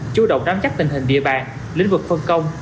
chủ động nắm chắc tình hình địa bàn lĩnh vực phân công